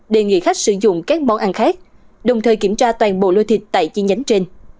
đề nghị khách sử dụng các món ăn khác đồng thời kiểm tra toàn bộ lô thịt tại chi nhánh trên